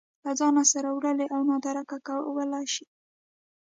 له ځان سره وړلی او نادرکه کولی شي